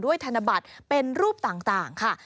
ธนบัตรเป็นรูปต่างค่ะ